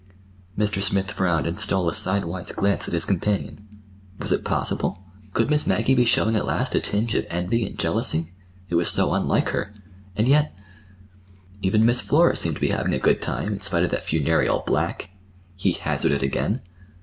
Mr. Smith frowned and stole a sidewise glance at his companion. Was it possible? Could Miss Maggie be showing at last a tinge of envy and jealousy? It was so unlike her! And yet— "Even Miss Flora seemed to be having a good time, in spite of that funereal black," he hazarded again.